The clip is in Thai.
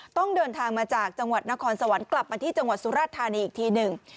ต้องเดินทางมาจากจังหวัดนครสวรรค์กลับมาที่จังหวัดสุราธานีอีกทีหนึ่ง